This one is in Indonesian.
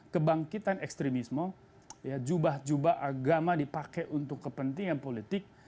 kebangkitan ekstremisme jubah jubah agama dipakai untuk kepentingan politik